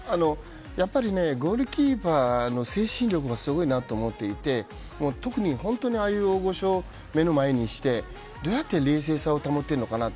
やっぱりゴールキーパーの精神力はすごいなと思っていて特に本当にああいう大御所目の前にして、どうやって冷静さを保てるのかなと。